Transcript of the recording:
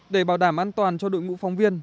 để bảo đảm an toàn cho đội ngũ phóng viên